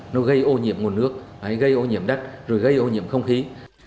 nó gây ô nhiễm nguồn nước gây ô nhiễm đất rồi gây ô nhiễm nguồn nước